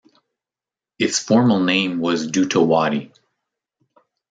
Its formal name was Dutawadi.